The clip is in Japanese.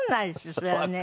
そりゃね。